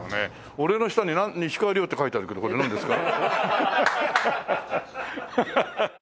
俺の下にイシカワリョウって書いてあるけどこれなんですか？